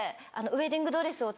ウエディングドレスを？